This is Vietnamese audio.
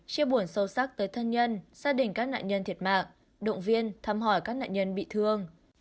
chia buồn sâu sắc tới thân nhân gia đình các nạn nhân thiệt mạng động viên thăm hỏi các nạn nhân bị thương